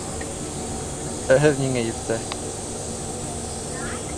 Ә һеҙ ниңә иртә?